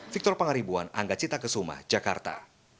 victor pangaribuan anggacita kesumah jakarta